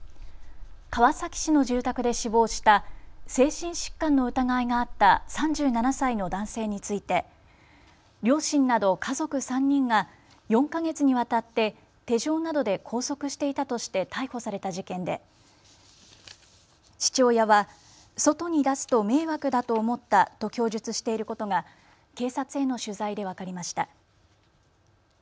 川崎市の住宅で死亡した精神疾患の疑いがあった３７歳の男性について両親など家族３人が４か月にわたって手錠などで拘束していたとして逮捕された事件で父親は外に出すと迷惑だと思ったと供述していることが警察への取材で分かりました。